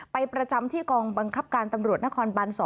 ประจำที่กองบังคับการตำรวจนครบัน๒